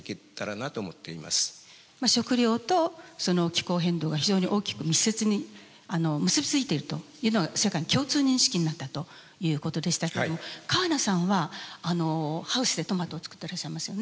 食料とその気候変動が非常に大きく密接に結び付いているというのが世界の共通認識になったということでしたけれども川名さんはハウスでトマトを作ってらっしゃいますよね。